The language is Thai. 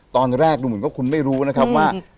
ตอนแรกดูเหมือนว่าคุณไม่รู้นะครับว่า